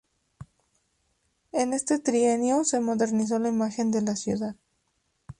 En este trienio se modernizó la imagen de la ciudad.